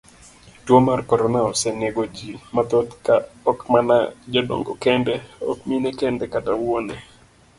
Tuo mar korona osenegoji mathoth ok mana jodongo kende, ok mine kende kata wuone.